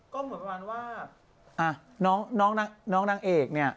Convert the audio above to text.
ก็เหมือนประมาณว่าน้องนางเอกเนี่ย